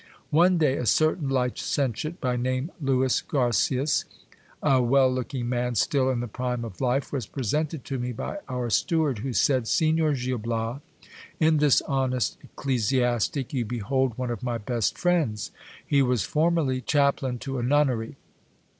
One day a certain licentiate, by name Lewis Garcias, a well looking man still in the prime of life, was presented to me by our steward, who said— Signor Gil Bias, in this honest ecclesiastic you behold one of my best friends. He was formerly chaplain to a nunnery.